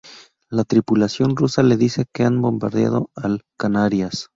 La tripulación rusa le dice que han bombardeado al "Canarias".